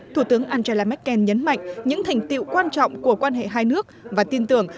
thủ tướng angela merkel nhấn mạnh những thành tiệu quan trọng của quan hệ hai nước và tin tưởng